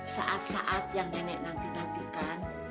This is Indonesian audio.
saat saat yang nenek nanti nantikan